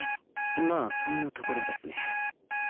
まあそんなところですね